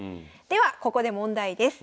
ではここで問題です。